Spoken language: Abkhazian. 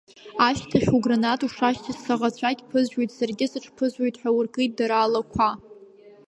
Ашьҭахь, угранат ушашьҭаз, саӷацәагь ԥызжәоит, саргьы сыҽԥызжәоит ҳәа, уркит дара алақәа.